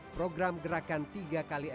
program gerakan tiga d